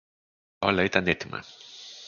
Όλα ήταν έτοιμα.